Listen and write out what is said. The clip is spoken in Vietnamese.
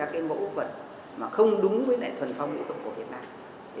là cũng không có trưng bày các mẫu vật không đúng với thuần phong mỹ tục của việt nam